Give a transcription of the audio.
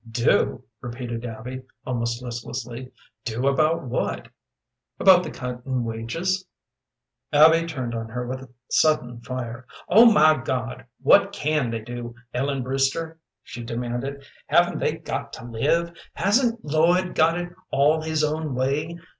"Do?" repeated Abby, almost listlessly. "Do about what?" "About the cut in wages?" Abby turned on her with sudden fire. "Oh, my God, what can they do, Ellen Brewster?" she demanded. "Haven't they got to live? Hasn't Lloyd got it all his own way?